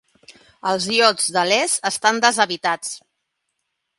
Els illots de l'est estan deshabitats.